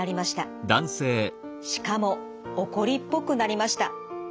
しかも怒りっぽくなりました。